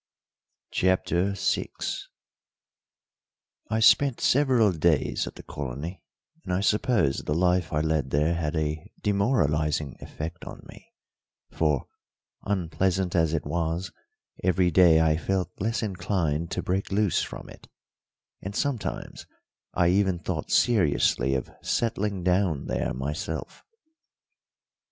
CHAPTER VI I spent several days at the colony; and I suppose the life I led there had a demoralising effect on me, for, unpleasant as it was, every day I felt less inclined to break loose from it, and sometimes I even thought seriously of settling down there myself.